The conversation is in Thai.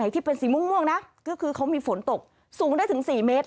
ที่เป็นสีม่วงนะก็คือเขามีฝนตกสูงได้ถึง๔เมตร